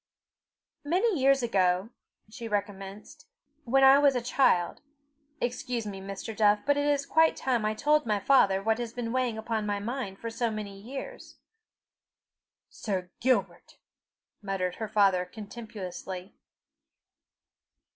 "Many years ago," she recommenced, "when I was a child, Excuse me, Mr. Duff, but it is quite time I told my father what has been weighing upon my mind for so many years." "Sir Gilbert!" muttered her father contemptuously.